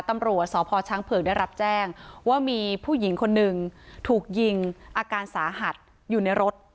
ตำรวจสพช้างเผือกได้รับแจ้งว่ามีผู้หญิงคนหนึ่งถูกยิงอาการสาหัสอยู่ในรถ